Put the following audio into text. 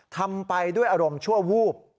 ทำไปด้วยอารมณ์ชั่ววูบ